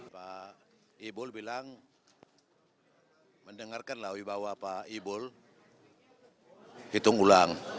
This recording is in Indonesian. pak ibul bilang mendengarkanlah wibawa pak ibul hitung ulang